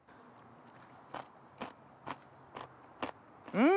うん！